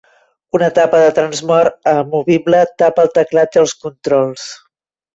Una tapa de transport amovible tapa el teclat i els controls.